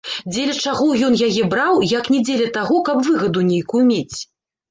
Дзеля чаго ён яе браў, як не дзеля таго, каб выгаду нейкую мець.